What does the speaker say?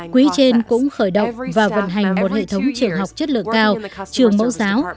quỹ trên cũng khởi động và vận hành một hệ thống trường học chất lượng cao trường mẫu giáo